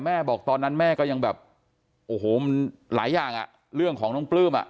บอกตอนนั้นแม่ก็ยังแบบโอ้โหมันหลายอย่างอ่ะเรื่องของน้องปลื้มอ่ะ